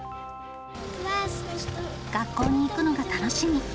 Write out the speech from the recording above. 学校に行くのが楽しみ。